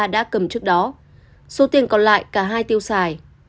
đã cầm trước đó số tiền còn lại cả hai tiêu xài